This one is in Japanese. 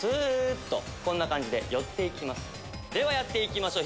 ではやっていきましょう！